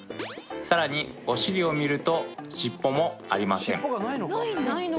さらにお尻を見ると尻尾もありません